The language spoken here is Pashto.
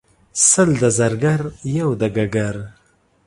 سل د زرګر یو دګګر.